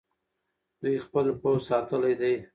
دوی خپل پوځ ساتلی دی.